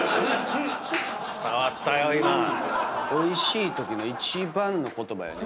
おいしいときの一番の言葉よね